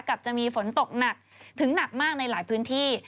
จะมีฝนตกหนักถึงหนักมากในหลายพื้นที่